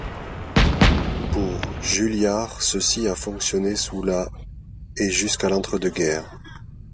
Pour Julliard ceci a fonctionné sous la et jusqu'à l'entre-deux guerres.